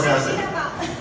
jangan dipindah pindah pak